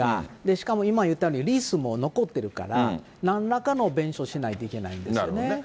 しかも今言ったように、リースも残ってるから、なんらかの弁償をしないといけないんですよね。